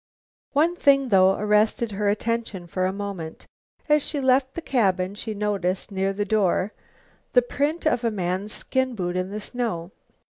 One thing, though, arrested her attention for a moment. As she left the cabin she noticed, near the door, the print of a man's skin boot in the snow.